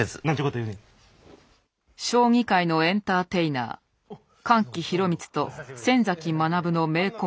将棋界のエンターテイナー神吉宏充と先崎学の名コンビ。